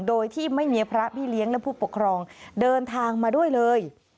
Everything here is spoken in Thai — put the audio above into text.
โดยที่ไม่มีพระพี่เลี้ยงและผู้ปกครองเดินทางมาด้วยเลย